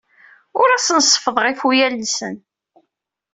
Ur asen-seffḍeɣ ifuyla-nsen.